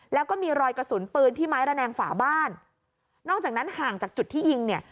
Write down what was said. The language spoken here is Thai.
แล้วก็มีรอยกระสุนปืนที่ไม้ระแนงฝาบ้านนอกจากนั้นห่างจากจุดที่ยิงเนี่ย